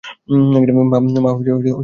মা, দরজা আটকান তো।